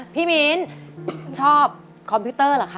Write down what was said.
มิ้นชอบคอมพิวเตอร์เหรอคะ